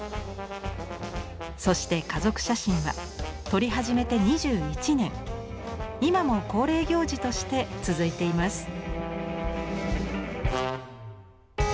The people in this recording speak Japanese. そして家族写真は撮り始めて２１年今も恒例行事として続いています。